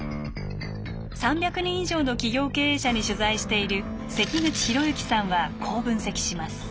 ３００人以上の企業経営者に取材している関口博之さんはこう分析します。